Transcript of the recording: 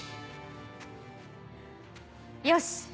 よし！